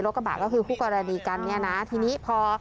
กระบะก็คือคู่กรณีกันเนี่ยนะทีนี้พอ